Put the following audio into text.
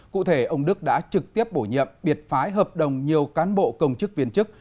cụ thể ông đức đã trực tiếp bổ nhiệm biệt phái hợp đồng nhiều cán bộ công chức viên chức